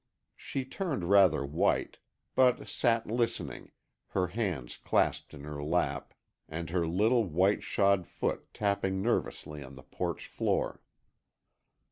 She turned rather white, but sat listening, her hands clasped in her lap and her little white shod foot tapping nervously on the porch floor.